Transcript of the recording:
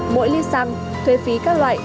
mỗi ly xăng thuế phí các loại